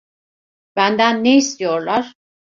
Benden ne istiyorlar?